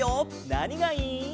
なにがいい？